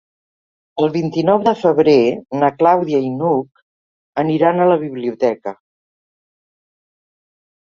El vint-i-nou de febrer na Clàudia i n'Hug aniran a la biblioteca.